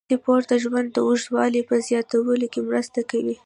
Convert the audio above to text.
سپورت د ژوند د اوږدوالي په زیاتولو کې مرسته کوي.